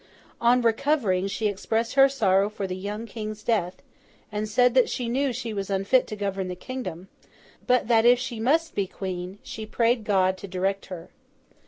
On recovering, she expressed her sorrow for the young King's death, and said that she knew she was unfit to govern the kingdom; but that if she must be Queen, she prayed God to direct her.